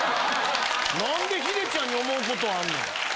何でヒデちゃんに思うことあんねん。